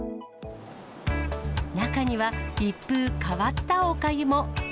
中には、一風変わったおかゆも。